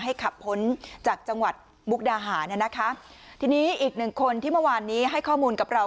ขับพ้นจากจังหวัดมุกดาหาเนี่ยนะคะทีนี้อีกหนึ่งคนที่เมื่อวานนี้ให้ข้อมูลกับเรา